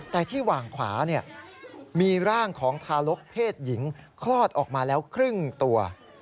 แต่ที่หว่างขวามีร่างของทารกเพศหญิงคลอดออกมาแล้วครึ่งตัว